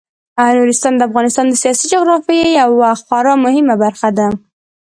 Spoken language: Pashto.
نورستان د افغانستان د سیاسي جغرافیې یوه خورا مهمه برخه ده.